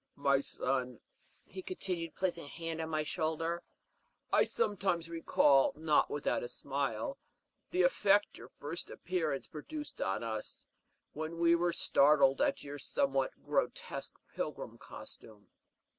"My son," he continued, placing a hand on my shoulder, "I sometimes recall, not without a smile, the effect your first appearance produced on us, when we were startled at your somewhat grotesque pilgrim costume.